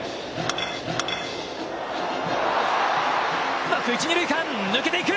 うまく一・二塁間を抜けていく。